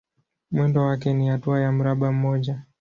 Mwendo wake ni hatua ya mraba mmoja.